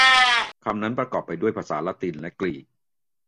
คำนั้นประกอบไปด้วยภาษาละตินและกรีก